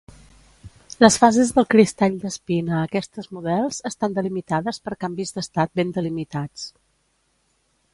Les fases del cristall d'espín a aquestes models estan delimitades per canvis d'estat ben delimitats.